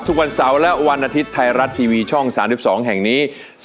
ทุกวันเสาร์และวันอาทิตย์ไทยรัฐทีวีช่อง๓๒แห่งนี้